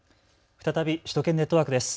再び首都圏ネットワークです。